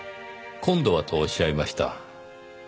「今度は」とおっしゃいました。